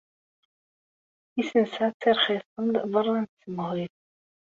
Isensa ttirxisen-d beṛṛa i tsemhuyt.